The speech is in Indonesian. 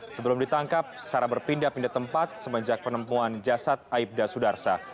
sebelum ditangkap sarah berpindah pindah tempat semenjak penemuan jasad aibda sudarsa